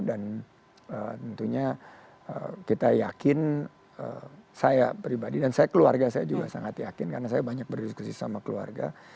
dan tentunya kita yakin saya pribadi dan saya keluarga saya juga sangat yakin karena saya banyak berdiskusi sama keluarga